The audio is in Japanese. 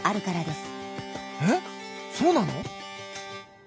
えっそうなの？